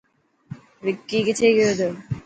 وڪي ڪٿي گيو تي.